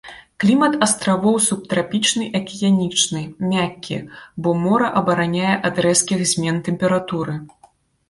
Клімат астравоў субтрапічны акіянічны, мяккі, бо мора абараняе ад рэзкіх змен тэмпературы.